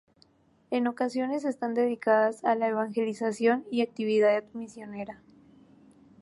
En ocasiones están dedicadas a la evangelización y actividad misionera.